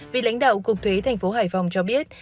vị lãnh đạo cục thuế thành phố hải phòng cho biết